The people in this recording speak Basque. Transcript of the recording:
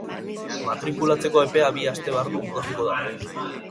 Matrikulatzeko epea bi aste barru bukatuko da.